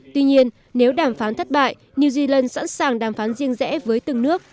tuy nhiên nếu đàm phán thất bại new zealand sẵn sàng đàm phán riêng rẽ với từng nước